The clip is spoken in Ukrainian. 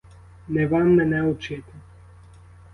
Не вам мене учити.